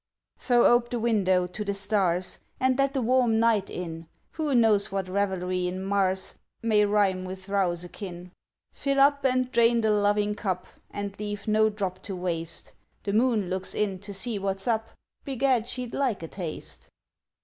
Throw ope the window to the stars, And let the warm night in! Who knows what revelry in Mars May rhyme with rouse akin? Fill up and drain the loving cup And leave no drop to waste! The moon looks in to see what's up Begad, she'd like a taste!